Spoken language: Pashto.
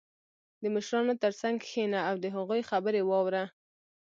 • د مشرانو تر څنګ کښېنه او د هغوی خبرې واوره.